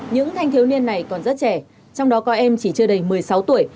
những thanh thiếu niên này còn rất trẻ trong đó có em chỉ chưa đầy một mươi sáu tuổi